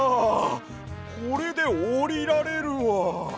これでおりられるわ。